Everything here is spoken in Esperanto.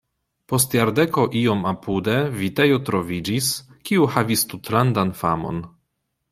Post jardeko iom apude vitejo troviĝis, kiu havis tutlandan famon.